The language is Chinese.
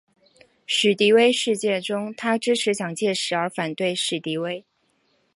史迪威事件中他支持蒋介石而反对史迪威。